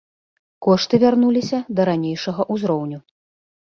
Кошты вярнуліся да ранейшага ўзроўню.